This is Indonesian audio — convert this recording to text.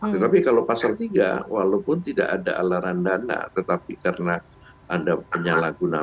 tetapi kalau pasal tiga walaupun tidak ada alaran dana tetapi karena ada penyalahgunaan